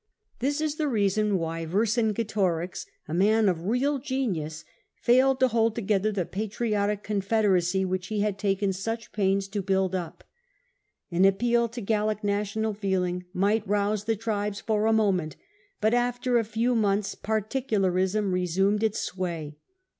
This is the reason why Vercingetorix, a man of real genius, failed to hold together the patriotic confederacy which he had taken such pains to build up. An appeal to Gallic national feeling might rouse the tribes for a moment, but after a few months particularism resumed its sway.